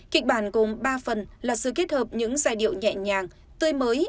kịch bản gồm ba phần là sự kết hợp những giai điệu nhẹ nhàng tươi mới